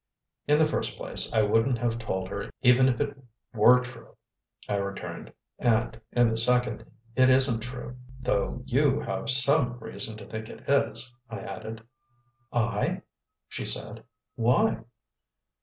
"In the first place, I wouldn't have told her even if it were true," I returned, "and in the second, it isn't true though YOU have some reason to think it is," I added. "I?" she said. "Why?"